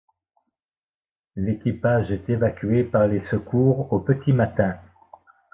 L'équipage est évacué par les secours au petit matin.